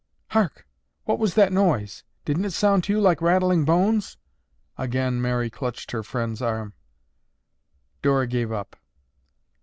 "Hark! What was that noise? Didn't it sound to you like rattling bones?" Again Mary clutched her friend's arm. Dora gave up.